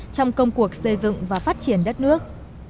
trong công cuộc xây dựng và phát triển đất nước